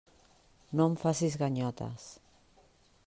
No em facis ganyotes.